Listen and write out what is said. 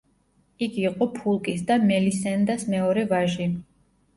იგი იყო ფულკის და მელისენდას მეორე ვაჟი.